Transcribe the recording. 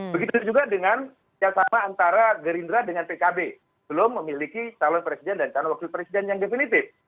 begitu juga dengan yang sama antara gerindra dengan pkb belum memiliki calon presiden dan calon wakil presiden yang definitif